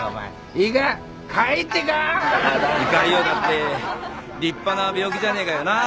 胃潰瘍だって立派な病気じゃねえか。なあ？